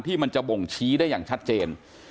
ที่มันจะบ่งชี้ได้อย่างชัดเจน